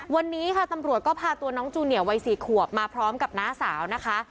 วันนี้ค่ะตำรวจก็พาตัวน้องจูเนียวัย๔ขวบมาพร้อมกับน้าสาวนะคะ